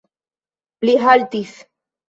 Li haltis.